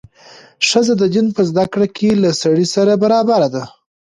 ښځه د دین په زده کړه کې له سړي سره برابره ده.